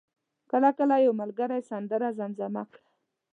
کله کله یو ملګری سندره زمزمه کړه.